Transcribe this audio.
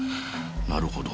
なるほど。